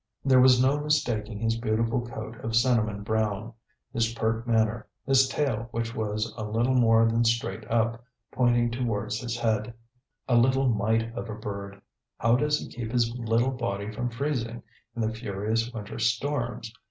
There was no mistaking his beautiful coat of cinnamon brown, his pert manner, his tail which was a little more than straight up, pointing towards his head; a little mite of a bird, how does he keep his little body from freezing in the furious winter storms?